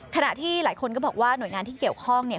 ขณะที่หลายคนก็บอกว่าหน่วยงานที่เกี่ยวข้องเนี่ย